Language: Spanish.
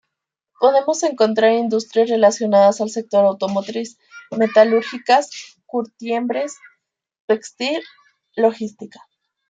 Podemos encontrar industrias relacionadas al sector automotriz, metalúrgicas, curtiembres, textil, logística.